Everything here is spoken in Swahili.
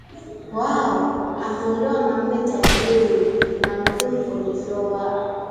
wao! ameolewa na mume tajiri na amedumu kwenye ndoa